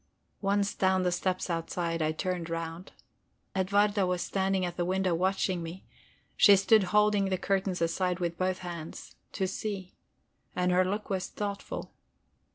Once down the steps outside, I turned round. Edwarda was standing at the window watching me; she stood holding the curtains aside with both hands, to see; and her look was thoughtful.